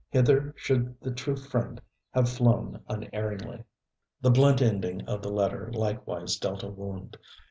Hither should the true friend have flown unerringly. The blunt ending of the letter likewise dealt a wound.